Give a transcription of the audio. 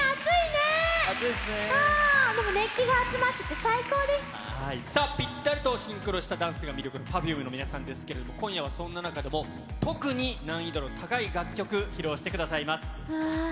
でも、熱気が集まってて最高さあ、ぴったりとシンクロしたダンスが魅力、Ｐｅｒｆｕｍｅの皆さんなんですけれども、今夜はそんな中でも、特に難易度の高い楽曲を披露してくださいます。